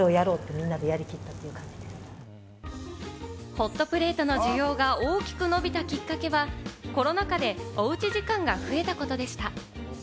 ホットプレートの需要が大きく伸びたきっかけは、コロナ禍でおうち時間が増えたことでした。